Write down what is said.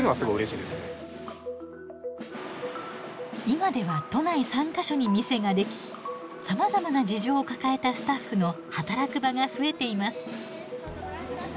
今では都内３か所に店ができさまざまな事情を抱えたスタッフの働く場が増えています。